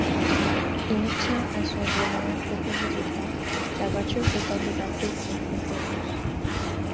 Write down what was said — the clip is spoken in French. Il n'obtient à son volant aucun résultat, la voiture étant dépassée par la concurrence.